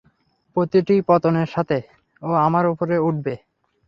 প্রতিটি পতনের সাথে, ও আরও উপরে উঠবে।